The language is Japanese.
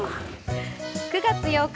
９月８日